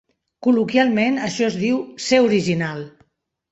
Col·loquialment, això es diu "ser original".